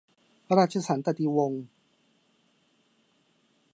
ราชสันตติวงศ์